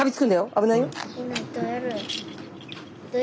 危ないよ。